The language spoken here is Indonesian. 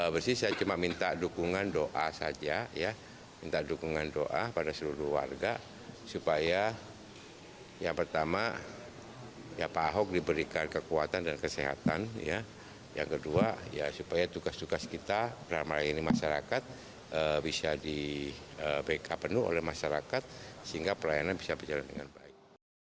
bisa di bkbnu oleh masyarakat sehingga pelayanan bisa berjalan dengan baik